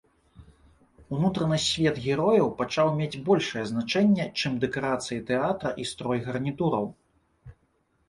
Унутраны свет герояў пачаў мець большае значэнне, чым дэкарацыі тэатра і строй гарнітураў.